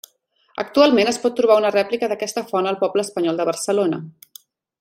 Actualment es pot trobar una rèplica d'aquesta font al Poble Espanyol de Barcelona.